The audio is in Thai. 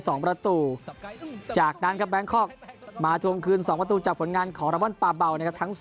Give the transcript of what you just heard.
สองประตูมาทวงคืน๒ประตูจากผลงานขอระเบิ้ลปาเบา